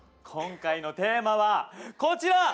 今回のテーマはこちら。